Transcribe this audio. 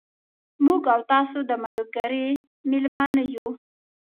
موږ او تاسو د ملګري مېلمانه یو.